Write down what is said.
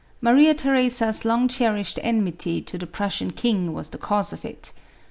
Maria Theresa's long dierished enmity to the Prussian king, was the cause of it.